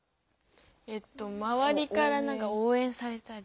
えっとまわりからおうえんされたり。